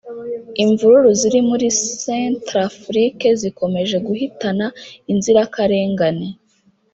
Imvururu ziri muri Centrafrique zikomeje guhitana inzirakarengane